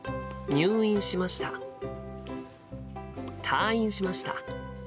退院しました。